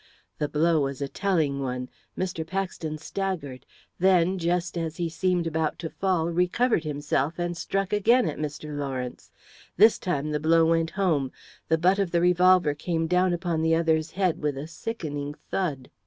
The blow was a telling one. Mr. Paxton staggered; then, just as he seemed about to fall, recovered himself, and struck again at Mr. Lawrence. This time the blow went home. The butt of the revolver came down upon the other's head with a sickening thud.